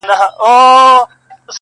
یو د بل په کور کي تل به مېلمانه وه،